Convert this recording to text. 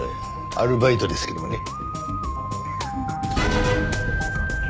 アルバイトですけどもね。